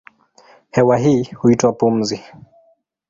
Hewa hii huitwa pumzi.